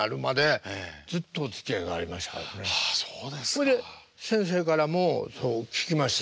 ほいで先生からもそう聞きました